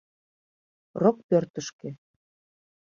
Рокпӧртышкӧ.